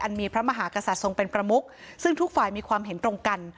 มีพระมหากษัตริย์ทรงเป็นประมุกซึ่งทุกฝ่ายมีความเห็นตรงกัน